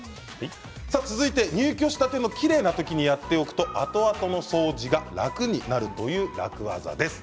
続いて入居したてのきれいな時にやっておくと、あとあとの掃除が楽になるという楽ワザです。